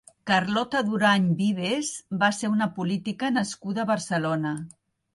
Carlota Durany Vives va ser una política nascuda a Barcelona.